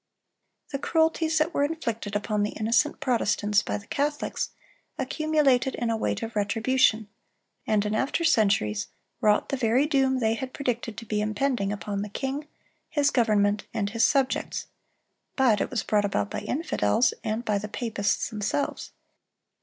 The cruelties that were inflicted upon the innocent Protestants by the Catholics, accumulated in a weight of retribution, and in after centuries wrought the very doom they had predicted to be impending, upon the king, his government, and his subjects; but it was brought about by infidels, and by the papists themselves.